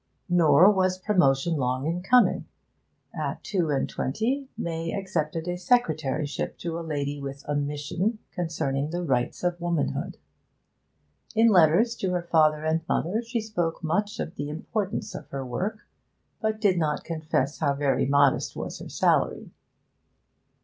Nor was promotion long in coming. At two and twenty May accepted a secretaryship to a lady with a mission concerning the rights of womanhood. In letters to her father and mother she spoke much of the importance of her work, but did not confess how very modest was her salary.